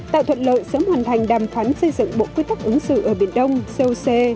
tạo thuận lợi sớm hoàn thành đàm phán xây dựng bộ quy tắc ứng xử ở biển đông coc